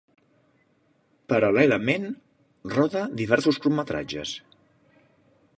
Paral·lelament, roda diversos curtmetratges.